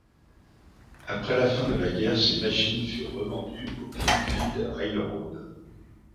Après la fin de la guerre ces machines furent revendues au Clinchfield Railroad.